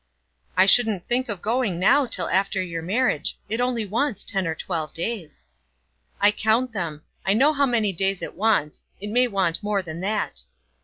"I shouldn't think of going now till after your marriage. It only wants ten or twelve days." "I count them. I know how many days it wants. It may want more than that."